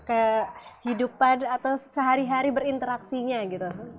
kehidupan atau sehari hari berinteraksinya gitu